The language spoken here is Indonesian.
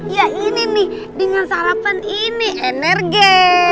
ya ini nih dengan sarapan ini energi